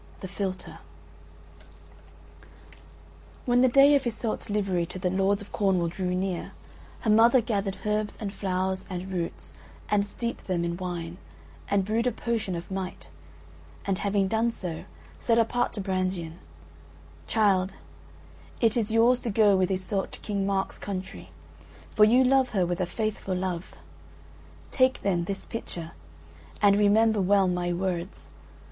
THE PHILTRE When the day of Iseult's livery to the Lords of Cornwall drew near, her mother gathered herbs and flowers and roots and steeped them in wine, and brewed a potion of might, and having done so, said apart to Brangien: "Child, it is yours to go with Iseult to King Mark's country, for you love her with a faithful love. Take then this pitcher and remember well my words.